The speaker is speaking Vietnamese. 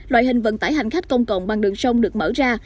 loại hình vận tải hành khách công cộng bằng đường sông được mở ra